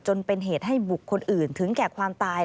จนเป็นเหตุให้บุคคลอื่นถึงแก่ความตาย